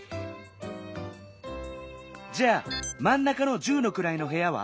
じゃあまん中の「十のくらい」のへやは？